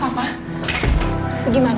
ketika kecil kecilnya kecil